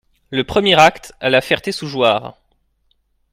Le premier acte, à La Ferté-sous-Jouarre.